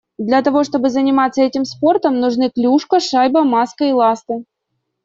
Для того, чтобы заниматься этим спортом нужны клюшка, шайба, маска и ласты.